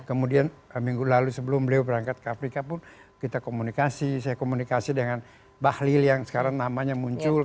kemudian minggu lalu sebelum beliau berangkat ke afrika pun kita komunikasi saya komunikasi dengan bahlil yang sekarang namanya muncul